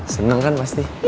seneng kan pasti